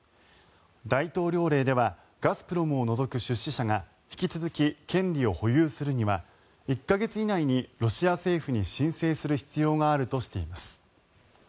大統領令ではガスプロムを除く出資者が引き続き権利を保有するには１か月以内にロシア政府に申請する必要があるとしています。